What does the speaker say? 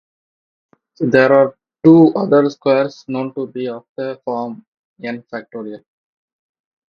There are only two other squares known to be of the form n!